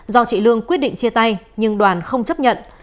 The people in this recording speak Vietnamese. do chị lương quyết định chia tay nhưng đoàn không chấp nhận